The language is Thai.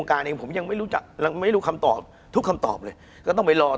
คุณผู้ชมบางท่าอาจจะไม่เข้าใจที่พิเตียร์สาร